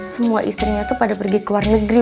semua istrinya itu pada pergi ke luar negeri